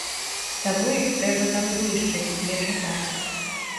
Таму іх трэба там знішчыць, не чакаць.